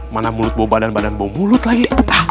mana mulut bau badan badan bau mulut lagi